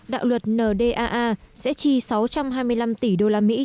đạo luật ndaa sẽ chi sáu trăm hai mươi năm tỷ đô la mỹ